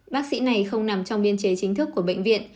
bác sĩ này không nằm trong biên chế chính thức của bệnh viện